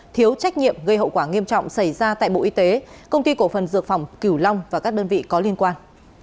thiếu trách nhiệm gây hậu quả nghiêm trọng xảy ra tại bộ y tế công ty cổ phần dược phẩm cửu long và các đơn vị có liên quan